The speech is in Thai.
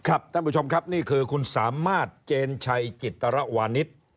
ท่านผู้ชมครับนี่คือคุณสามารถเจนชัยจิตรวานิส